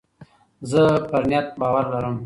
زه پر نیت باور لرم.